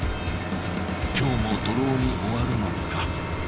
今日も徒労に終わるのか。